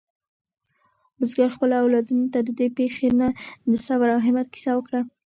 بزګر خپلو اولادونو ته د دې پېښې نه د صبر او همت کیسه وکړه.